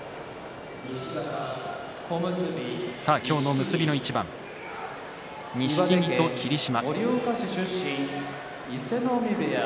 今日の結びの一番、錦木と霧島。